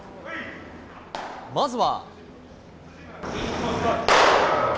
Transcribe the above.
まずは。